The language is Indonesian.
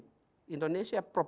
proposisi indonesia jelas sekali itu